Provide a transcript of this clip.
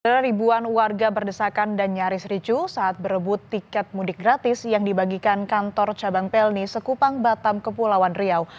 ribuan warga berdesakan dan nyaris ricu saat berebut tiket mudik gratis yang dibagikan kantor cabang pelni sekupang batam kepulauan riau